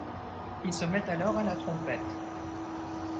Il se met alors à la trompette.